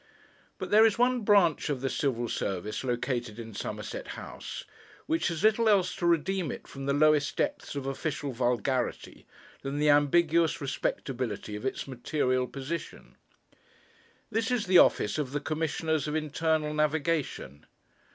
But there is one branch of the Civil Service located in Somerset House, which has little else to redeem it from the lowest depths of official vulgarity than the ambiguous respectability of its material position. This is the office of the Commissioners of Internal Navigation.